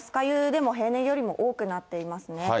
湯でも平年よりも多くなっていますね。